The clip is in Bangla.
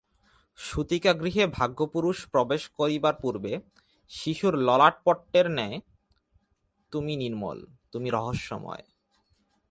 সূতিকাগৃহে ভাগ্যপুরুষ প্রবেশ করিবার পূর্বে শিশুর ললাটপট্টের ন্যায় তুমি নির্মল, তুমি রহস্যময়।